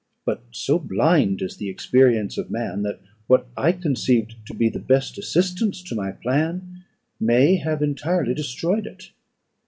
But so blind is the experience of man, that what I conceived to be the best assistants to my plan, may have entirely destroyed it.